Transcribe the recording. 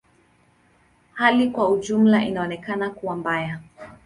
Hali kwa ujumla inaonekana kuwa mbaya.